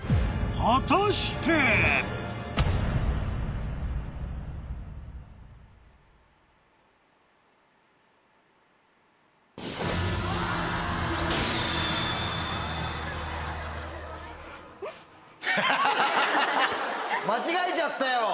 果たして⁉間違えちゃったよ